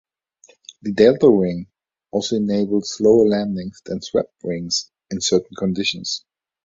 The delta wing also enabled slower landings than swept wings in certain conditions.